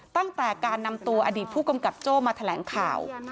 ตั้งแต่การนำตัวอดีตผู้กำกับโจ้มาแถลงข่าว